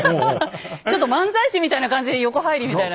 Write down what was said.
ちょっと漫才師みたいな感じで横入りみたいな。